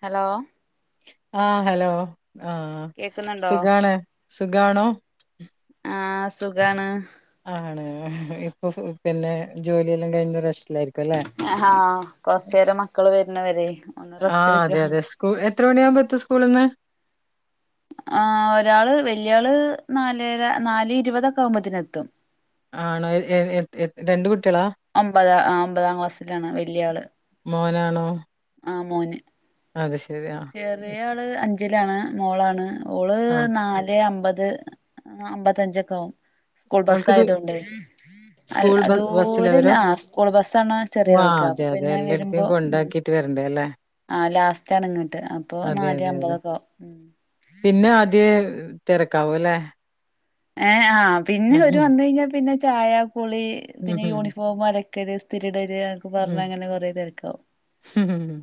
Hello ആ hello കേക്കുന്നുണ്ടോ ആസുഖാണ് സുഖമാണ ആസുഖാണ് ആണ് ഇപ്പൊ പിന്നെ ജോലിയെല്ലാം കഴിഞ്ഞ് റസ് ആകൊറച്ചരെം മക്കള് വരുന്നവരെ ഒന്ന് ആഹ് അതെ റസ്റ്റിട്ക്കാ അതെ സ്കൂ എത്ര മണിയാവുമ്പോത്തും സ്കൂളിന്ന് ആ ഒരാള് വല്യയാള് നാലര നാലേ ഇരുപതൊക്കെ ആവുമ്പോത്തിന് എത്തും ആണോ എ എ എ എ- രണ്ട് കുട്ടികളാ ഒമ്പത ഒമ്പതാം ക്ലാസ്സിലാണ് വല്യ ആള് മോനാ ആ മോന് ശരി ആഹ് ചെറിയ ആള് അഞ്ചിലാണ് മോളാണ് ഓള് ആഹ് നാലേ അമ്പത് അമ്പത്തഞ്ചൊക്കെ ആകും സ്കൂൾ അവൾക്ക് ദൂ ബസ്സായത് കൊണ്ട് അ സ്കൂൾ അ ബ ബസ്സിലാ ദൂരല്ല വരാ ആ സ്കൂൾ ബസ്സാണ് ഓ ചെറിയൊൾക്ക് അപ്പൊ പിന്നെ വരുമ്പോ ഉം എന്തേ ല്ലേ ആ ലാസ്റ്റണ് ങ്ങട്ട് അപ്പൊ അതെ നാല് അതെ അതെ അമ്പതൊക്കെ ഉം പിന്നെ ആദ്യെ തെരക്കാവു ല്ലേ ഏ ആഹ് പിന്നെ ഒരു മന്ത് കയ്ഞ്ഞാ പിന്ന ചായ പൊളി ഉം ഉം പിന്നെ ഉം യൂണിഫോമു വര ക്കല് ഇസ്ഥിരിടെര ക്ക പർഞ്ഞ അങ്ങനെ കൊറേ തെര്ക്കാവു ഉം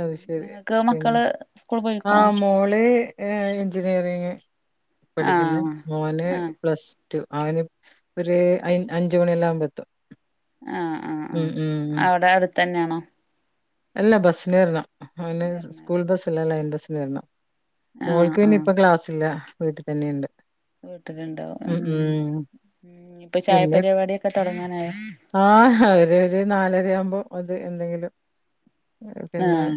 അത് ശരി നിങ്ങക്ക് മക്കള് സ്കൂൾ പോയിക്കണോ ആഹ് മോളി എഞ്ചിനിയറിങ് പഠിക്ക്‌ന്ന് ആഹ് മോന് ആഹ് പ്ലസ് റ്റു ആര് ഒരു അയ് അഞ്ചു മണിയെല്ലാ ആവുമ്പെത്തും ആഹ് ഉം ഉം തെന്നാണോ അല്ല ബസ്സ്ന് വെര്ണം അവന് വരണെ സ്കൂൾ ബസ്സ് ല്ല ലൈൻ ബസ്സ് വെര്ണം ആഹ് മോൾക്ക് പിന്നെ ഇപ്പ ക്ലാസില്ല വീട്ടി തന്നെയുണ്ട് വീട്ട്ലുണ്ടാവും ഉം ഇപ്പൊ ചായ പിന്നെ പരിപാടി ഒക്ക തൊടങ്ങാനായൊ ആഹ് അവര് ഒരു നാലരയാവുമ്പോ അത് എന്തെങ്കിലും പിന്നെ ആഹ്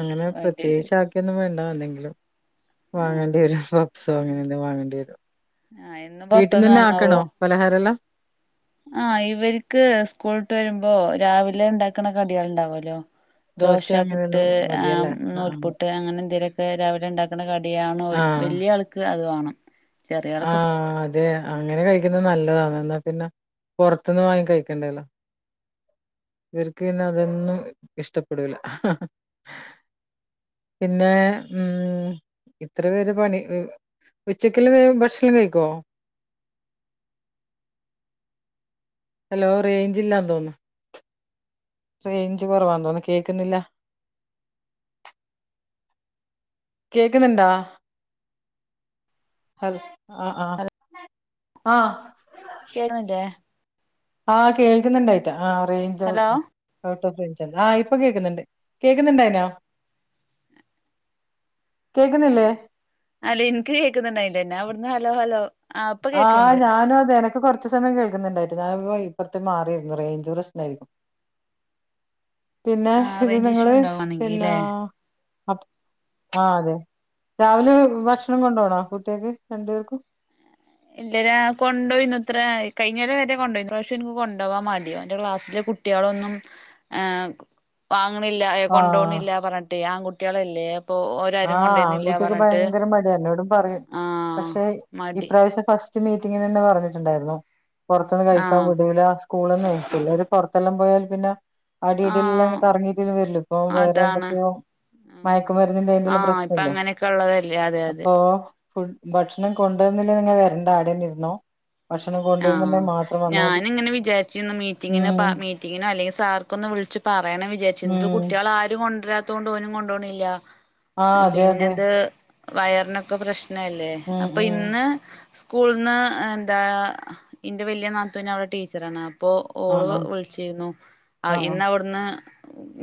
അങ്ങനെ വേണ്ടി വരും പ്രത്യേയ്ച്ച് ആക്കിയൊന്നും വേണ്ട എന്തെങ്കിലും വാങ്ങെണ്ടി വരും ആഹ് പപ്സോ അങ്ങനെ ലും വാങ്ങെണ്ടി വരും ആഹ് എന്നും പൊറത്ത്ന്ന് വീട്ടിന്നെന്നെ ആക്കണോ വാങ്ങാവോ പലഹാരെല്ലാം ആഹ് ഇവര്ക്ക് സ്കൂൾട്ട് വെര്മ്പോ രാവിലെ ണ്ടാക്ക്‌ണ കട്യൾ ണ്ടാവുല്ലോ ദോശ പുട്ട് അങ്ങനെയെല്ലാം ആ മതിയല്ലേ ആഹ് നൂൽപുട്ട് അങ്ങനെ ന്തേലൊക്കെ രാവിലെ ണ്ടാക്ക്‌ണ കടിയണോൽ ൽ ആഹ് വല്ല്യ ആൾക്ക് അത് വേണം ആഹ് അതെ അങ്ങനെ കഴിക്കിന്ന നല്ലതാണ് എന്നാ പിന്നെ പൊർത്ത്ന്ന് വാങ്ങി കഴിക്കേണ്ടെല്ലോ വര്ക്ക് പിന്ന അതൊന്നും ഇഷ്ടപ്പെടൂല പിന്നേ ഉം ഇത്ര പേര് പണി ഉച്ചക്കെല്ലം ഭക് ക്ഷണം കൈക്കോ ഹലോ റേഞ്ചില്ലാ തോന്നു റേഞ്ച് കൊറവാന്തോന്നു കേക്ക്‌ന്നില്ല കേക്കുന്നുണ്ടാ ഹ ആ ആഹ് ആ കേക്ക്‌ന്നില്ലേ ആഹ് കേൾക്കുന്നുണ്ടായ്റ്റ ആ റേഞ്ച് ഹലോ ആ ഇപ്പൊ കേക്ക്‌ന്ന്ണ്ട് കേക്ക്‌ന്ന്ണ്ടായ്നോ ആ അല്ല ഇൻക്ക് കേക്ക്‌ന്ന്ണ്ടായില്ല ഞാ വ്ട്ന്ന് ഹലോ ഹലോ ആഹ് ഇപ്പൊ ആഹ് കേക്ക്ണ്ട് ഞാനു അതെനെ പ്പൊ കൊർച്ച് സമയം കേക്ക്‌ന്ന്ണ്ടായിറ്റ് ഞാ പ്പൊ ഇപ്പർത്തെ മാറിയിര്ന്നു റേഞ്ച് പ്രശ്നയ്ക്കും പിന്നെ ആഹ് ഇത് റേഞ്ച് ഇഷ്യൂ നിങ്ങള് പിന്നാ ഉണ്ടാവാണെങ്കിലേ അ ആ അതെ രാവിലെ ഭക്ഷണം കൊണ്ടോണോ കുട്ട്യക്ക് രണ്ടു പേർക്കും ഇല്ല രാ കൊണ്ടോയിന്നു ത്രായ് കയ്ഞ്ഞേരെ വെരെ കൊണ്ടോയ്നു ഷം ഇൻക്ക് കൊണ്ടോവാൻ മടിയാന്റ ക്ലാസ്സ്ല് കുട്ട്യളൊന്നും ഏ പാ ങ്ങ്ണില്ല ആഹ് കൊണ്ടോണില്ല പർഞ്ഞിട്ട് ആൺകുട്ട്യളല്ലേ ആഹ് ആൺകുട്ട്യക്ക്‌ ഭയങ്കര മടിയാ എന്നോടും പറയും ആഹ് പക്ഷെ മടി ഇപ്രാവശ്യം ഫസ് റ്റ് മീറ്റിങ്ങിനെന്നെ പർഞ്ഞിട്ട്ണ്ടായ്ര്ന്നു പൊറ്ത്ത്ന്ന് കഴിക്കാൻ ആഹ് വ്ടൂല സ്കൂള്ന്നേ പിള്ളേര് പൊറത്തെല്ലാം പോയാൽ പിന്ന അടി ഇടെല്ലാം ആഹ് കറങ്ങീട്ടിന് വെര്ല് പ്പൊ വേറെ അതാണ് എന്തൊക്കെയോ മയക്കുമര്ന്നിന്റെ ആഹ് ഇപ്പൊ പ്രശ്നല്ലേ അങ്ങനെയൊക്കെ ഉള്ളതല്ലേ അതെ അതെ അപ്പോ ഫുഡ്‌ ഭക്ഷണം കൊണ്ടുവന്നില്ല നിങ്ങ വര്ണ്ട ആടെ ന്നി ഇര്ന്നോ ഭക്ഷണം കൊണ്ടുവര് ആഹ് ഞാനിങ്ങനെ വിചാരിച്ചിന്ന് മീറ്റിങ്ങിന് പ ഉം മീറ്റിങ്ങിനോ അല്ലെങ്കിൽ സാർക്കൊന്ന് വിൾച്ച് പറയണൊ വിചാര് ച്ച് ന്ത് ഉം കുട്ട്യളാരും കൊണ്ട്രാ ത്തണ്ട് പോനും കൊണ്ടോണല്ല ആ അതെ അതെ പിന്നെത് വയറിനൊക്കെ പ്രശ്ന പ്രനല്ലേ ഉം അപ്പൊ ഉം ഇന്ന് സ്കൂളന്ന് എന്താ എന്റെ വലിയ നാത്തുവിനെ അവവിടെ ടീച്ചറ ആണ ഇപ്പൊ ആ ഓള് ആ വിളിച്ചിരുന്നു ആ ആ ഇന്ന് അവിടുന്ന്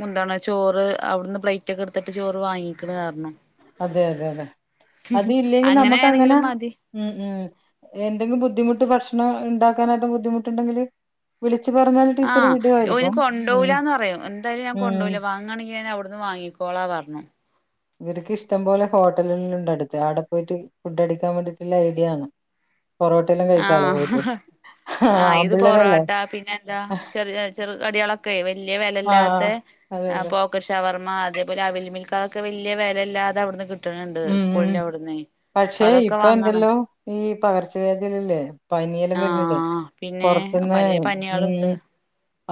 എന്താണ് ചോറ് അവിടുന്ന് പ്ലേറ്റ് ഒക്കെ എടുത്തിട്ട് ചോറ് വാങ്ങിക്കണ കാരണം അതെ അതെ അതെ അത് ഇല്ലെങ്കിൽ നമുക്ക് അങ്ങനെ അങ്ങനെയാണെങ്കിലും മതി ഉ ഉ എന്തെങ്കിലും ബുദ്ധിമുട്ട് ഭക്ഷണം ഉണ്ടാനായിട്ട് ബുദ്ധിമുട്ടുണ്ടെങ്കിൽ ആഹ് ഇനി ഉം കൊണ്ടപോലാന്ന് പറയും എന്തായാലും ഞാൻ ഉം കൊണ്ടപോയില വാണെങ്കിൽ ഞാൻ അവിടുന്ന് വാങ്ങിക്കോളാം പറഞ്ഞു ഇവർക്ക് ഇഷ്ടം പോോലെ ഹോട്ടലുകളുണ്ടടുത്ത് ആവിടെ പോയിട്ട് ഫുഡ് അടിക്കാൻ വേണ്ടിയിട്ടുള്ള ഐഡിയണ് പൊറോട്ടെല്ലാം കഴിക്കാലോ ആഹ് പോയിട്ട് ആ ആഹ് ഇത് ആമ്പിള്ളേരല്ലേ പൊറവാട്ട പിന്നെ എന്താ ചെറിയ ചെറ കടികളൊക്കെ വലിയ ആ വിലയില്ലാത്ത അതെ ആ അതെ പോക്കറ്റ് ഷവർമ്മ അതേപോലെ അവിൽമിൽക്കൊക്കെ വലിയ വില അല്ലാതെ അവിടുന്ന് കിട്ട ഉം പക്ഷെ അതൊക്കെ ഇപ്പ വാങ്ങാണ് എന്തല്ലോ ഈ പകർച്ച വേദയിലല്ലേ പനിയെല്ലാം വരുന്നില്ലേ ആഹ് പിന്നെ പുറത്തന്ന് പലേ ഉ പനികളുണ്ട്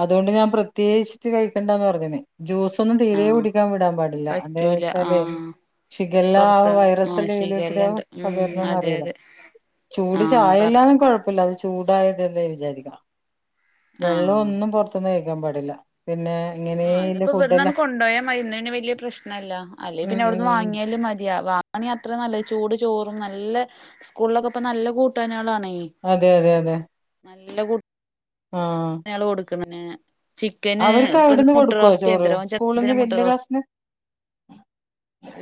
അതുകൊണ്ട് ഞാൻ പ്രത്യേകിച്ചിട്ട് കഴിക്കണ്ടന്ന് പറഞ്ഞുന്നേ ജ്യൂസൊന്നും തീതെ ആഹ് കുടിക്കാൻ വിടാൻ പാടില്ല എന്താ പറ്റൂല വെച്ചാല് ആഹ് ചികല്ലാം ആ പൊറത്ത് വൈറസ് ആഹ് എല്ലാം ഇലൽ കൂടെ ശിഖല്ലണ്ട് ഉം പകരുന്നന്ന് അതെ അറിയില്ല അതെ ചൂട് ആഹ് പറ ചായല്ലന്നും കുഴപ്പമില്ലത് ചൂടായത്െന്ന വിചാരിക്കാം വെള്ളം ആഹ് ഒന്നും പുൊറത്തന്നും കേഴക്കാൻ പാടില്ല പിന്നെ ആഹ് ഇങ്ങനെല്ല ഇതിപ്പോ ഇ വെർന്നാണ് ഫുഡെല്ലാം കൊണ്ടു പോോയ മരുന്നന് വല്ിയ പ്രശ്നല്ല അല്ലെ ഉം പിന്നെ എവിടുന്ന് ഉം വാങ്ങിയാല മ അ വാങ്ങി അത്ര നല്ലത് ചൂട് ചോറും നല്ല സ്കൂളിലൊക്കെ ഇപ്പ നല്ല കൂട്ടുകാനികളാണ് അതെ അതെ അതെ നല്ല ക ആഹ പിന്നെ അവർക്ക്വിടുന്ന് കൊടുക്കുവ ചോറ് സ്കൂളന്ന് ചെറുപ്പത്തിന് മുട്ട വല്യ റോസ്റ്റ് ക്ലാസിന്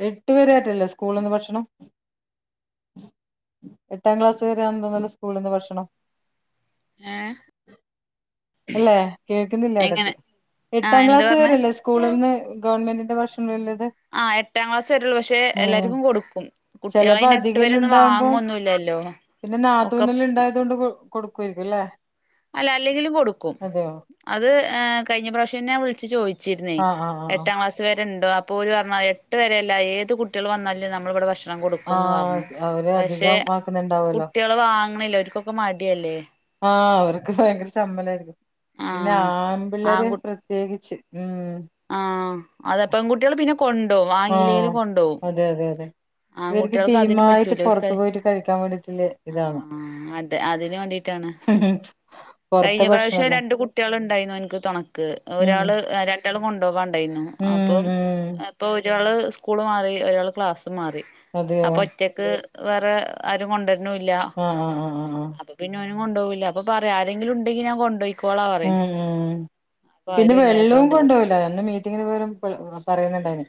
എട്ടു പേരെ ആട്ടല്ലേ സ്കൂള നിന്ന് ഭക്ഷണം എട്ടാം ക്ലാസ്സ് വരെ ആന്തോന്നല്ല സ്കൂളിൽ നിന്ന് ഭക്ഷണം ഏഹ് അല്ലെ കേൾക്കുന്നില്ല ഇട എങ്ങനെ ആഹ് എട്ടാം എന്താ ക്ലാസ്സ് പറഞ്ഞേ വരല്ലേ സ്കൂളന്ന് ഗവൺമെന്റിന്റെ ഭക്ഷണ ആ എട്ടാം ക്ലാസ് വരുള്ളൂ പക്ഷെ എല്ലാർക്കും കൊടുക്കും കുട്ടികള് ചെിലപ്പോ അയിന് എട്ട് വരെ അധികല്ലാം ഒന്നും ഉണ്ടകുമ്പോ വാങ്ങൊന്നുല്ലല്ലോ പിന്നെ ഒക്കെ നാതൂനല്ലാം ഇണ്ട അതുകൊണ്ട് കൊടുക്കുമായിരിക്കും അല്ലേ അല്ല അല്ലെങ്കിലും കൊടുക്കും അതെയോ അത് കഴിഞ്ഞ പ്രാവശ്യം ഞാൻ വിളിച്ചു ചോദിച്ചു ആഹ് ആഹ് ആഹ് എട്ടാം ക്ലാസ് വരെ ഉണ്ട അപ്പോ ഒരുര് പറഞ്ഞാൽ എട്ട് പരെയല്ല ഏത് കുട്ടികൾും വന്നാലേ നമ്മളിവിടെ ഭക്ഷ ഭക്ഷണം കൊടുക്കുംന്ന് ആഹ് പറഞ്ഞു ആഹ് അവര് പക്ഷെ അധികം ആക്കുന്നുണ്ടാവല്ലോ കുട്ടികള് വാങ്ങണില്ല ഒരിക്കൊക്കെ മടിയല്ലേ ആഹ് അവർക്ക് ഭയങ്കര സമ്പളമായിരുന്നു പിന്നെ ആഹ് ആമ്പിള്ളേര് പ്രത്യേകിച്ച് ഉം ആ് അതപ്പ കുട്ടികള് പിന്നെ കൊണ്ടപോും ആഹ് വാങ്ങല്ലെങ്കിലും കൊണ്ടോവും അതെ അതെ അതെ ആ ഇവർക്ക് കുട്ടികൾക്ക് അതിനും ടീമായിട്ട് പറ്റൂല പുറത്തു പോയിട്ട് കഴിക്കാൻ വേണ്ടിട്ടുള്ള ആ ഇതാണ് അത അതിന് വേണ്ടിട്ടാണ് പൊറത്തെ കഴിഞ്ഞ പ്രാവശ്യം ഭക്ഷണല്ലേ രണ്ട കുട്ടികൾ ഉണ്ടായിരുന്നു എനിക്ക് തുണക്ക് ഉം ഒരാൾ ഒറ്റൾ കൊണ്ടുപോകാണ്ടായിരുന്നു ഉം അപ്പം ഉം അപ്പൊ ഒരാള് സ്കൂള് മാറി ഒരാൾ ക്ലാസ് അതെയോ അ ഒക്ക് വ കൊ ആഹ ഉ ഉ ഉ ഉ കൊുപോയി അൊ പറയാ ആരെങ്കിലും ഉണ്ടങ്ക ാൻ കൊുപോയി ഉം ഉ പിന്നെ ആരും വെള്ളവും ഇല്ലാത്തോണ്ട് കൊണ്ടുപോയില്ല ഒന്ന് മീറ്റിങ്ങിന് പോലും പറയുന്നുണ്ടായിന്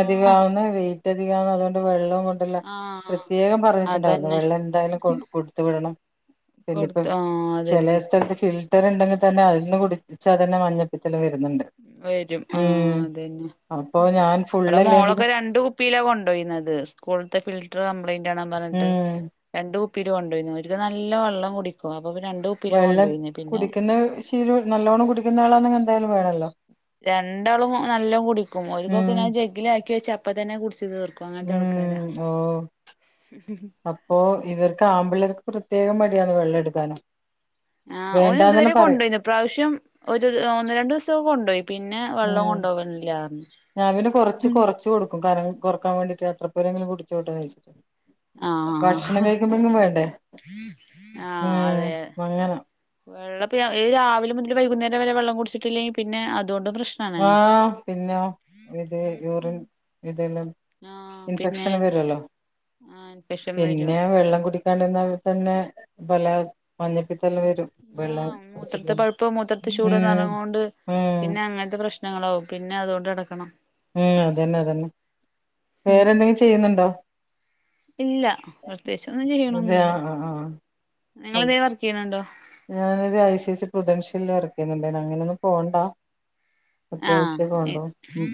ആഹ് വെയിറ്റ്ധികമാവ അതുകൊണ്ട് വെള്ളം ആഹ് പ്രത്യേകം പറഞ്ഞിട്ടുണ്ടായിരുന്നു അതന്നെ വെള്ളം എന്തായാലും കൊ കൊടുത്ത വിടണം പിന്ന ഇപ്പ കൊടുത്തു ആഹ് ചില അതന്നെ സ്ഥലത്ത് ഫിൽട്ടർ ഉണ്ടെങ്കിൽ തന്നെ അതിൽന്ന് കുടിച്ചാൽ തന്നെ മഞ്ഞപ്പിത്തൽ വര വരും ആഹ അതന്നെ അപ്പൊ ഉ ഞാൻ ഇവിടെ മോളൊക്കെ ഫുള്ളല്ലെങ്കിലും രണ്ട കുപ്പിയിലാ കൊണ്ടോയിന്നുന്നത് സ്കൂളത്തെ ഫിൽട്ടർ കപ്ലൈൻറ് പറഞ്ഞിട്ട് ഉം രണ്ട കുപ്പിൽ കൊണ്ടപോന്ന അവക്ക് നല്ല വെള്ളം കുടിക്കും അപ്പൊ രണ്ട് കുപ്പിയിലാ വെള്ളം കൊണ്ടോയിന്ന് പിന്നെ കുടിക്കുന്നത് ശരി നല്ലോണ്ണം കുടിക്കുന്ന വളാ എന്തായാലും വേണല്ലോ രണ്ടാളും നല്ലോ കുടിക്കും ഒരുക്കൊക്കെ ഉം ഞാൻ ജഗ്ഗില ആക്കി വെച്ച അപ്പ തന്നെ കുിച്ച ഉം ഓ അപ്പൊ ഇവർക്ക് ആമ്പിളേർക്ക് പ്രത്യേകം പടിയാണ് വെള്ളം എടുക്കാനും ആഹ് ഒഓന് ഇതുവരെ കൊണ്ടു പോോയിന്ന ഇ പ്ര്രാവശ്യം ഒരു ഒന്ന് രണ്ടു ദിവസംൊക്കെ കൊണ്ടു പോോയി ഉം ഞാവിന് കൊറച്ച് കൊറച്ച് കൊടുക്കും കാരണം കുറക്കാൻ വേണ്ടയിട്ട് എത്രേരെങ്കിലുംടിച്ചോട്ട നയിച്ചിട്ടണ്ട് ആഹ ആഹ അതെ ഉം അങ്ങനെ വെള്ള രാവിലെ മുതൽ വൈകുന്നേരം വരെ വെള്ളം കുടിച്ചിട്ടില്ലെങ്കിൽ പിന്നെ അതുകൊണ്ടും പ്രശ്നാണേ ആഹ പിന്നെ ഇത് യൂറൻ ഇതെല്ലാം ആഹ് ഇൻഫെക്ഷൻ പിന്നെ വരുല്ലോ ആഹ് ഇൻഫെക്ഷൻ വരും പിന്നെ വെള്ളം കുടിക്കാന്ന ല മഞ്ഞ ആ മൂത്രത്തെ പഴുപ്പം മൂത്രത്തി ചൂട് ഉം നിറങ്ങൊണ്ട് ഉം പിന്നെ അങ്ങനത്തെ പ്രശ്നം പ്രശ്നങ്ങളോ പിന്നെ അതുകൊണ്ട് നടക്കണം ഉം അതന്നെ അതന്നെ വേറെന്തെങ്കിലും ചെയ്യുന്നുണ്ടോ ഇല്ല പ്രത്യേകിച്ചൊന്നും അതെ ചെയ്യണൊന്നുമല്ല ആഹ് ആഹ് ആഹ് നിങ്ങള അതെ. അതേ വർക്ക് ചെയ്യണണ്ടോ ഞാനൊരു ഐ സി സി പ്രതൻഷ്യല ഇറക്കിുന്നുില്ലേ അങ്ങനെയൊന്നും പോകണ്ട അത്യാവശ്യണ്ടോ ഉ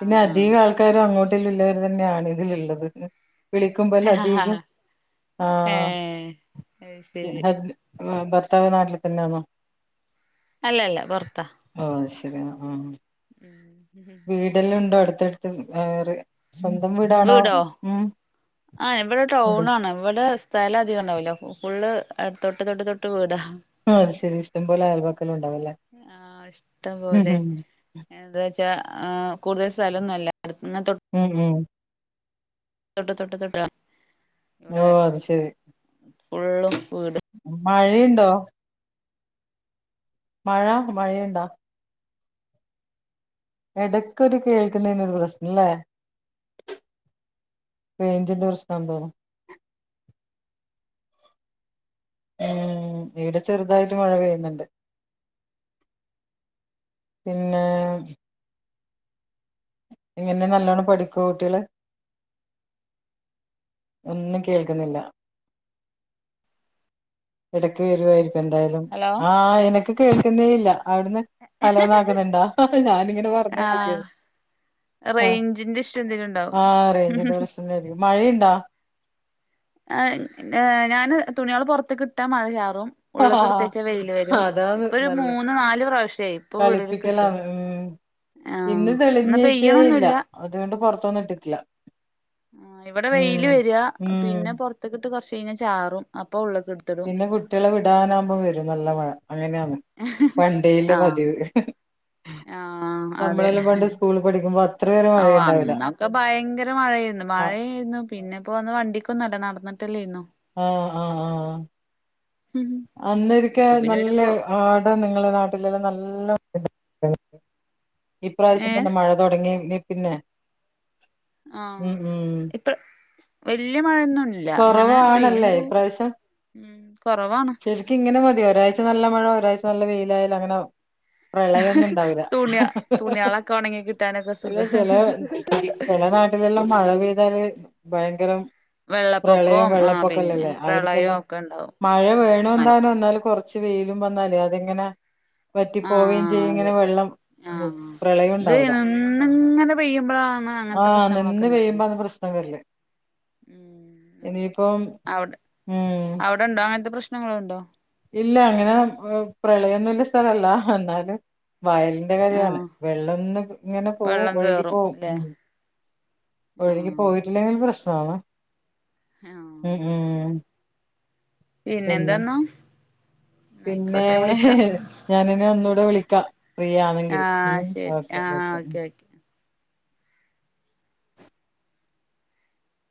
പിന്നെ അധികം ആൾക്കാരും അങ്ങോട്ട് ട്ടുള്ളവർ തന്നെയാണ് ഇതിലുള്ളത് വിളിക്കുമ്പോൾ ആഹ് ആഹ് അധികം ആഹ് ആഹ ഏഹ് അത് പിെ ശരി ആ ഭർത്താവ് നാട്ടില് തന്നാണോ അല്ല അല്ല വറത്താ ഉ ഉം അത്തെടുത്ത് വേറെ സ്വന്തം വീടാണോ വീടോ ഉം ആഹ ഇവിടെ അതെ ടൗൺ ആാണ് ഇവിടെ സ്ഥലം അധികം ഉണ്ടാവില്ലോ ഫുള്ള് തൊട്ട് തൊട്ട് തൊട്ട് വീടാണ് ആ അത് ശെരി ഇഷ്ടംപ പോലെ ആൽബക്കലും ഉണ്ടാവല്ലേ ആഹ ഉം ഇഷ്ടംപലെ ഉം എന്താ വച്ചാ ആ കൂടുതൽ സ്ഥലംൊന്നുമല്ല ഉം ഉം തൊട്ട് തൊട്ട തൊട്ട ഓ അത് ശരി ഫുള്ളും വീട് മഴയ്ണ്ടോ മഴ മഴയ്ണ്ടാ എടക്കൊരു കേൾക്ക്ന്നേനൊരു പ്രശ്നലേ റെയ്ഞ്ച്ന്റെ പ്രശ്നാന്ന് തോണു ഉം ഈടെ ചെർതായിട്ട് മഴ പെയ്യ്ന്ന്ണ്ട് പിന്നേ എങ്ങനെ നല്ലോണം പഠിക്കോ കുട്ട്യേള് ഒന്നും കേൾക്ക്ന്നില്ല എടക്ക് വരുവായിരി ക്കും എന്തായാലും ഹലോ ആ എനക്ക് കേൾക്കുന്നേ ഇല്ല അവിട്ന്ന് ഹലോന്നാക്ക്ന്ന്ണ്ടാ ഹ ഹ ഞാനും ഇങ്ങനെ ആഹ് പറഞ്ഞാേണ്ട്ക്കായ്ര് ആ റേഞ്ചിന്റെ ഇഷ്യൂ എന്തേലും ഉണ്ടാവും ആ റെയ്ഞ്ച്ന്റെ പ്രശ്നം [unintelligible] മഴയ്ണ്ടാ ആ ഏ ഞാന് തുണികള് പുറത്ത്ക്ക്ട്ടാ മഴയാ കും ഉള്ള്ക്ക്ട്ത്തെച്ച വെയ്ല് വെരും അതാന്ന് ഇപ്പൊ ഒരു നല്ല മൂന്ന് നാല് പ്രാവശ്യായി ഇപ്പൊ ഉള്ള്ൽക്ക്ട്ടു കളിപ്പിക്കലാണ് ഉം ഇന്ന് തെളിഞ്ഞിട്ടേ ഇല്ല അതുകൊണ്ട് പാെറത്തൊന്നു ഇട്ടിട്ട്ല്ല ആ ഇവിടെ വെയില് വര പിന്നെ പാെർത്ത്ക്ക്ട്ട് കാെർച്ച് കഴിഞ്ഞ ചാറും അ പിന്നെ കുട്ട്യളെ വിടാനാകുമ്പോ വരും നല്ല മഴ അങ്ങനെയാന്ന് പണ്ടേ ഇല്ല ആഹ് പതിവ്ലേ ആഹ് അതെ നമ്മളെല്ലാം പണ്ട് സ്കൂളിൽ പഠി ഓ അന്നൊക്കെ ഭയങ്കര മഴേയ്ര്ന്നു ആ മഴേയ്ര്ന്നു പിന്നെപ്പോ അന്ന് വണ്ടിക്കൊന്നും അല്ല നട നടന്നിട്ടേല്ലേയ്ന്നാേ ആ അ അ ആ അന്നാെരിക്കെ ഇപ്പൊ പിന്നെ ഒരു നല്ല കൊ ആടെ നിങ്ങളെ നാട്ടിലെല്ലാം നല്ല ഇപ്രാവശ്യ ഏഹ് [unintelligible] മഴ താെടങ്ങേല് പിന്നെ ആ ഉം ഉം ഇപ്പ വല്യ മഴൊന്നും ല്ല ങ്ങനെ പെയ്യും കുറവാണല്ലേ പോവും ഉം കൊറവാണ് ശരിക്ക് ഇങ്ങനെ മതി ഒരാഴ്ച നല്ല മഴ ഒരാഴ്ച നല്ല വെയിലായാലും അങ്ങനെ പ്രളയൊന്നുംണ്ടാവൂല തുണിയ തുണികളൊക്കെ ഒണങ്ങി കിട്ടാനൊക്കെ സുഖ അല്ല ചെലെ ല നാട്ടിലെല്ലാം മഴ പെയ്താല് ഭയങ്കരം പ്രളയം വെള്ളപ്പൊക്കവും ആ പിന്നെ വെള്ളപ്പൊക്കല്ലല്ലേ പ്രളയവും അവര്ക്കെല്ലാം ഒക്കെ ഉണ്ടാവും മഴ വേണം ഉം താനും എന്നാല് കൊർച്ച് വെയിലും വന്നാലേ അതിങ്ങനെ വറ്റി പോവയും ആഹ് ചെയ്യും ങ്ങനെ അതെ വെള്ളം ആഹ് ഇത് പ്രളയുണ്ടാവൂല നിന്നിങ്ങനെ പെയ്യുമ്പോഴാണ് ആ അങ്ങനത്തെ പ്രശ്നങ്ങളൊക്കെ നിന്ന് ഉണ്ടാവുക പെയ്യുമ്പാണ് പ്രശ്ന ല് ഉം അതെ അവ്ടെ ഉം അവ്ടെണ്ടോ അങ്ങൻത്തെ പ്രശ്നങ്ങള്ണ്ടോ ഇല്ല അങ്ങനെ പ്രളയൊന്നുല്ല സ്ഥലല്ലാ എന്നാല് വയലിന്റെ കാര്യാണ് ആഹ് വെള്ളംന്ന് ഇങ്ങനെ പോവും വെള്ളം ഒഴുകി കേറും പോവും ല്ലേ ഉം ഒഴ്കി ആഹ് പോയിട്ടില്ലേലും പ്രശ്നാണ് ആഹ് ഉം അത് ശരി ഉം പിന്നെ പിന്നെന്താന്നാ പിന്നെ ന്നായിക്കോട്ടെ വിളിക്കാം ഞാനിനി ഒന്നൂടെ വിളിക്കാ ഫ്രീ ആണെങ്കിൽ ഉം ആഹ് ശരി ഓക്കെ ആഹ് ഓക്കെ